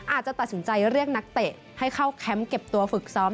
อาจจะตัดสินใจเรียกนักเตะให้เข้าแคมป์เก็บตัวฝึกซ้อม